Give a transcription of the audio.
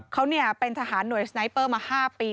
เขาเป็นทหารหน่วยสไนเปอร์มา๕ปี